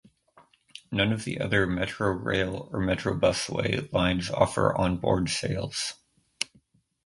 None of the other Metro Rail or Metro Busway lines offer onboard sales.